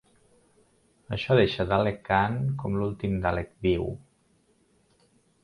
Això deixa Dalek Caan com l'últim Dalek viu.